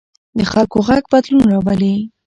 د خلکو غږ بدلون راولي